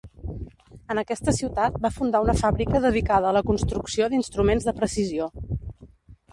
En aquesta ciutat va fundar una fàbrica dedicada a la construcció d'instruments de precisió.